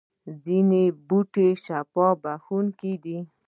ځینې بوټي شفا بخښونکي دي